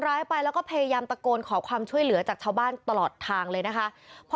ร้ายไปแล้วก็พยายามตะโกนขอความช่วยเหลือจากชาวบ้านตลอดทางเลยนะคะพอ